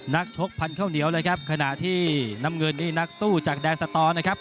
ชกพันธุ์ข้าวเหนียวเลยครับขณะที่น้ำเงินนี่นักสู้จากแดนสตอร์นะครับ